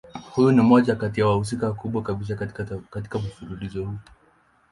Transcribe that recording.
Huyu ni mmoja kati ya wahusika wakubwa kabisa katika mfululizo huu.